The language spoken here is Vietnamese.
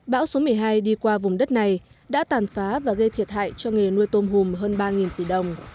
bão số một mươi hai đi qua vùng đất này đã tàn phá và gây thiệt hại cho nghề nuôi tôm hùm hơn ba tỷ đồng